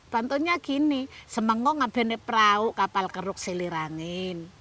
pantunya gini semangat nggak bisa berdua kapal keruk selirangan